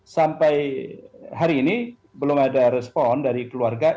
sampai hari ini belum ada respon dari keluarga